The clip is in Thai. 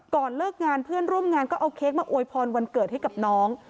เลิกงานเพื่อนร่วมงานก็เอาเค้กมาอวยพรวันเกิดให้กับน้อง